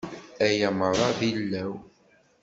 Aya merra d ilaw?